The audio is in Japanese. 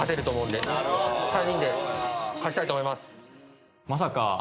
３人で勝ちたいと思います。